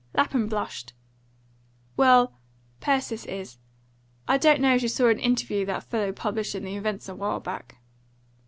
Lapham blushed. "Well, Persis is. I don't know as you saw an interview that fellow published in the Events a while back?"